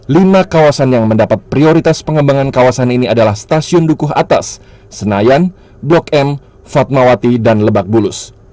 lima kawasan yang mendapat prioritas pengembangan kawasan ini adalah stasiun dukuh atas senayan blok m fatmawati dan lebak bulus